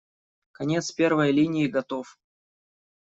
Конец первой линии готов.